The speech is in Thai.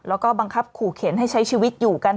แล้วก็บังคับขู่เข็นให้ใช้ชีวิตอยู่กัน